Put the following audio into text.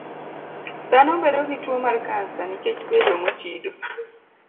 Dhano bedo gi tuo mar kansa nikech bedo mochido.